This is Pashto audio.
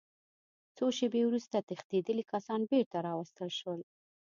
څو شېبې وروسته تښتېدلي کسان بېرته راوستل شول